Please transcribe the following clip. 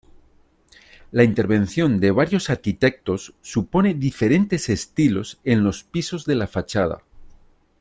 La intervención de varios arquitectos supone diferentes estilos en los pisos de la fachada.